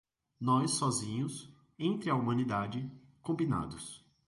Nós sozinhos, entre a humanidade, combinados